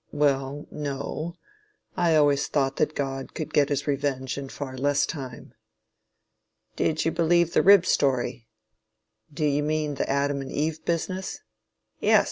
Well, no. I always thought that God could get his revenge in far less time. Did you believe the rib story? Do you mean the Adam and Eve business? Yes!